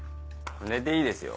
寝ていいですよ。